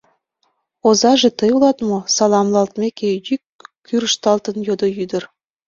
— Озаже тый улат мо? — саламлалтмеке, йӱк кӱрышталтын йодо ӱдыр.